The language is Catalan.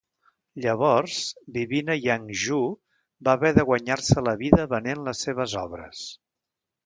Llavors, vivint a Yangzhou, va haver de guanyar-se la vida venent les seves obres.